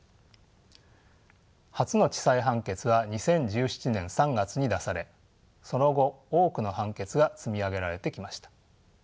初の地裁判決は２０１７年３月に出されその後多くの判決が積み上げられてきました。